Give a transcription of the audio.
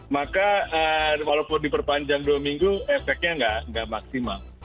maka walaupun diperpanjang dua minggu efeknya nggak maksimal